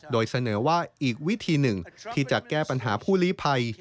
โดยเสนอว่าอีกวิธีหนึ่งที่จะแก้ปัญหาผู้ลีภัย